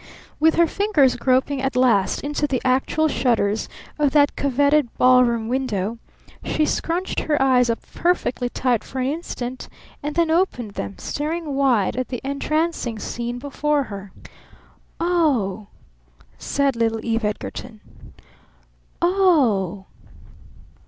With her fingers groping at last into the actual shutters of that coveted ballroom window, she scrunched her eyes up perfectly tight for an instant and then opened them, staring wide at the entrancing scene before her. "O h!" said little Eve Edgarton. "O h!"